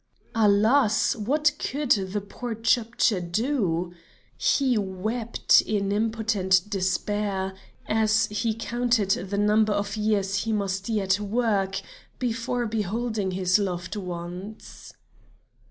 Alas! what could the poor Chepdji do! He wept in impotent despair, as he counted the number of years he must yet work before beholding his loved ones.